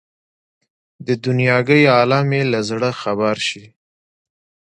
د دنیاګۍ عالم یې له زړه خبر شي.